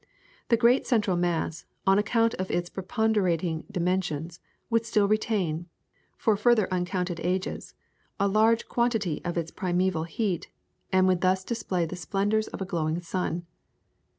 The great central mass, on account of its preponderating dimensions, would still retain, for further uncounted ages, a large quantity of its primeval heat, and would thus display the splendours of a glowing sun.